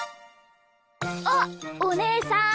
あっおねえさん。